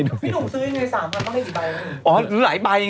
ที่หนูซื้อยังไง๓๐๐๐เขาให้กี่ใบ